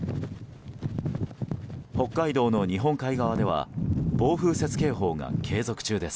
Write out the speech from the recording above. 北海道の日本海側では暴風雪警報が継続中です。